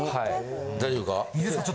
大丈夫か？